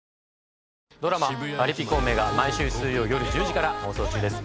ドラマ『パリピ孔明』が毎週水曜夜１０時から放送中です。